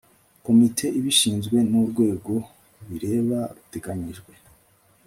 komite ibishinzwe n urwego bireba ruteganyijwe